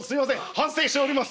反省しております。